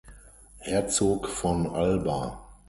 Herzog von Alba.